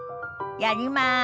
やります。